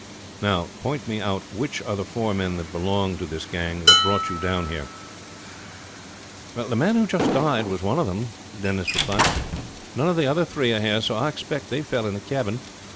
Now, point me out which are the four men that belong to this gang that brought you down here." "The man who has just died was one of them," Denis replied. "None of the other three are here, so I expect they fell in the cabin.